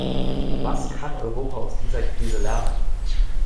Was kann Europa aus dieser Krise lernen?